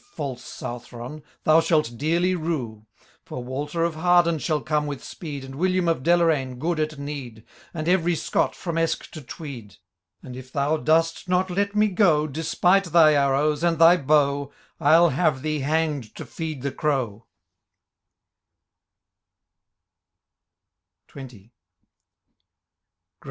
False Southron, thou shalt dearly rue ! For Walter of Harden shall come with speed. And William of Deloraine, good at need. And every Scott, from Esk to Tweed ; And, if thou dost not let me go. Despite thy arrows, and thy how, I'll have thee hang'd to feed the crow